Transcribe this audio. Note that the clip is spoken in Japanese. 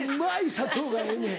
砂糖がええねん。